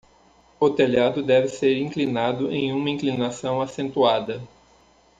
O telhado deve ser inclinado em uma inclinação acentuada.